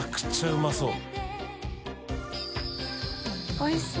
おいしそう！